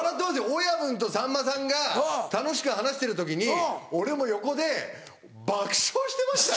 親分とさんまさんが楽しく話してる時に俺も横で爆笑してましたよ。